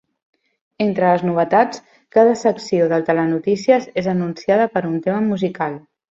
Entre les novetats, cada secció del telenotícies és anunciada per un tema musical.